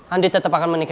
andi tetep akan menikah